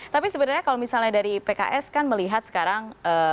tapi sebenarnya kalau misalnya dari pks kan melihat sekarang